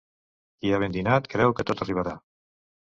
Qui ha ben dinat creu que tot arribarà.